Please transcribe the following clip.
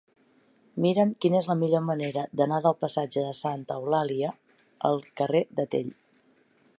Mira'm quina és la millor manera d'anar del passatge de Santa Eulàlia al carrer de Tell.